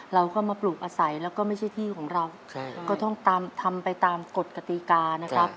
เราก็มาปลูกอาศัยแล้วก็ไม่ใช่ที่ของเราก็ต้องทำไปตามกฎกติกานะครับ